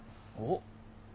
おっ？